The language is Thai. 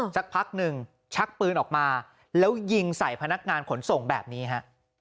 สักพักหนึ่งชักปืนออกมาแล้วยิงใส่พนักงานขนส่งแบบนี้ฮะ